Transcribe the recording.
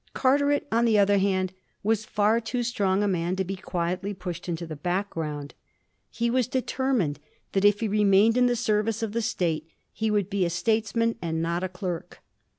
Carteret, on the other hand, was far too strong a man to be quietly pushed into the background. He was de termined that if he remained in the service of the State he would be a statesman, and not a clerk.